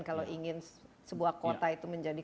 kalau ingin sebuah kota itu menjadi